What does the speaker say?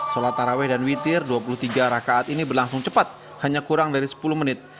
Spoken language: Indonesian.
sholat taraweh dan witir dua puluh tiga rakaat ini berlangsung cepat hanya kurang dari sepuluh menit